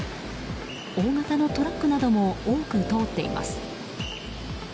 大型のトラックなども多く通っています。